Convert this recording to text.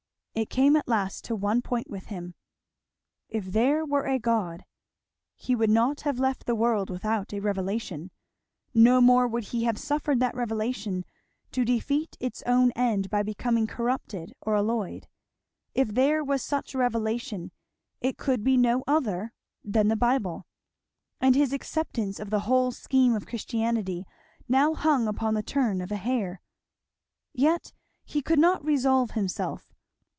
It came at last to one point with him; If there were a God, he would not have left the world without a revelation, no more would he have suffered that revelation to defeat its own end by becoming corrupted or alloyed, if there was such a revelation it could be no other than the Bible; and his acceptance of the whole scheme of Christianity now hung upon the turn of a hair. Yet he could not resolve himself.